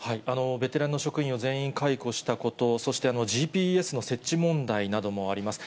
ベテランの職員を全員解雇したこと、そしてＧＰＳの設置問題などもあります。